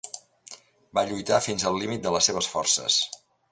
Va lluitar fins al límit de les seves forces.